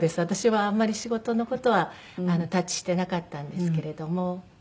私はあんまり仕事の事は立ち入ってなかったんですけれども。